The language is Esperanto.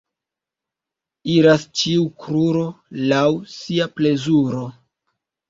Iras ĉiu kruro laŭ sia plezuro.